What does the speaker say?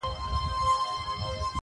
« په هجران کي غم د یار راسره مل دی-